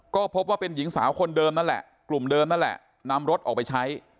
ก็พบว่าเป็นหญิงสาวคนเดิมนั่นแหละกลุ่มเดิมนั่นแหละนำรถออกไปใช้